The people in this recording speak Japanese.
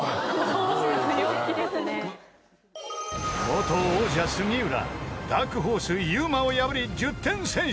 ［元王者杉浦ダークホースｙｕｍａを破り１０点先取］